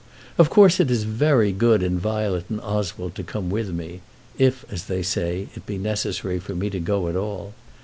Of course it is very good in Violet and Oswald to come with me, if, as they say, it be necessary for me to go at all.